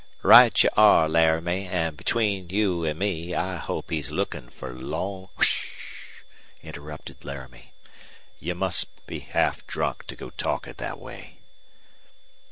"Right you are, Laramie; and, between you an' me, I hope he's lookin' for Long " "'S sh!" interrupted Laramie. "You must be half drunk, to go talkie' that way."